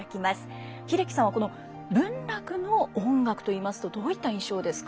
英樹さんはこの文楽の音楽といいますとどういった印象ですか？